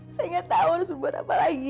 saya gak tau harus berbuat apa lagi